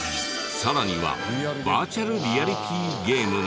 さらにはバーチャルリアリティーゲームも。